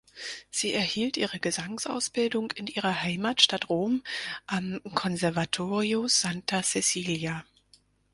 Sie erhielt ihre Gesangsausbildung in ihrer Heimatstadt Rom am Conservatorio Santa Cecilia.